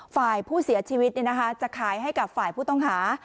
ฝ่ายผู้เสียชีวิตจะขายให้กับฝ่ายผู้ต้องหา